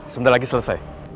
sebentar lagi selesai